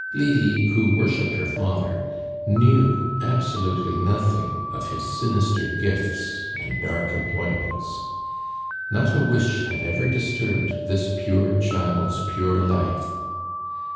Lydie, who worshiped her father, knew absolutely nothing of his sinister gifts and dark employments. Not a wish had ever disturbed this pure child's pure life.